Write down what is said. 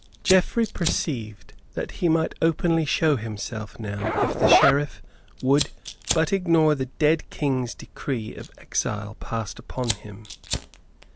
Geoffrey perceived that he might openly show himself now if the Sheriff would but ignore the dead King's decree of exile passed upon him.